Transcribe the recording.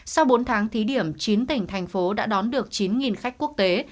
sau bốn tháng thí điểm chín tỉnh thành phố đã đón được chín khách quốc tế